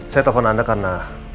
saya telfon anda karena